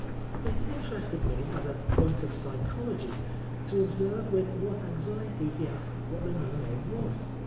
It interested me, as a point of psychology, to observe with what anxiety he asked what the new name was.